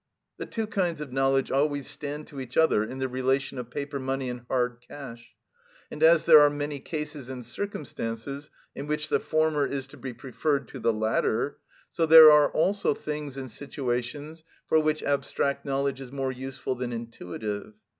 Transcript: The two kinds of knowledge always stand to each other in the relation of paper money and hard cash; and as there are many cases and circumstances in which the former is to be preferred to the latter, so there are also things and situations for which abstract knowledge is more useful than intuitive.